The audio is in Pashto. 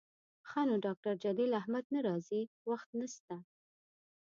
ښه نو ډاکتر جلیل احمد نه راځي، وخت نسته